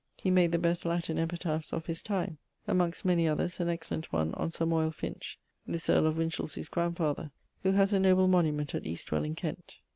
He made the best Latin epitaphs of his time; amongst many others an excellent one on Finch, this earl of Winchelsey's grandfather, who haz a noble monument at Eastwell in Kent.